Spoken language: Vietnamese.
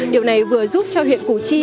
điều này vừa giúp cho huyện củ chi